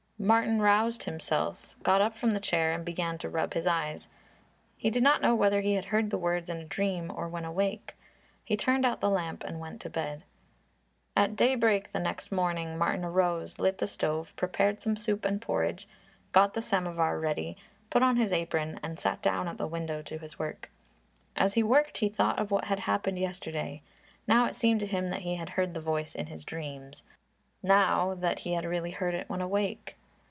Martin roused himself, got up from the chair and began to rub his eyes. He did not know whether he had heard the words in a dream or when awake. He turned out the lamp and went to bed. At daybreak next morning Martin arose, lit the stove, prepared some soup and porridge, got the samovar ready, put on his apron and sat down at the window to his work. As he worked he thought of what had happened yesterday. Now it seemed to him that he had heard the voice in his dreams, now that he had really heard it when awake.